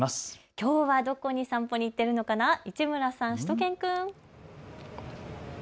きょうはどこに散歩に行っているのかな、市村さん、しゅと犬くん。